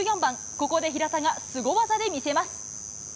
ここで平田がスゴ技で見せます。